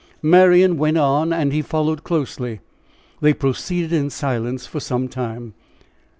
Marian went on, and he followed closely. They proceeded in silence for some time.